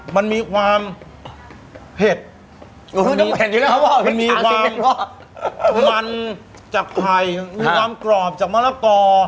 มันมีความเผ็ดมันมีความมันจากไข่มีความกรอบจากมะระกอ